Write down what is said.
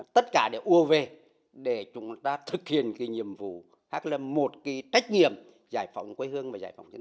tất cả đều ua về để chúng ta thực hiện cái nhiệm vụ khác là một cái trách nhiệm giải phóng quê hương và giải phóng dân tộc